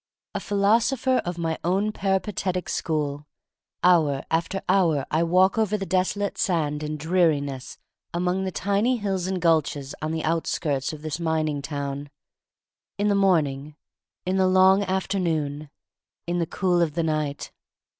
A philosopher of my own peripatetic school — hour after hour I walk over the desolate sand and dreariness among tiny hills and gulches on the outskirts of this mining town; in the morning, in the long afternoon, in the cool of the night.